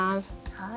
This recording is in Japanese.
はい。